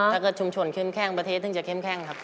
ถ้าเกิดชุมชนเข้มแข้งประเทศถึงจะเข้มแข้งครับ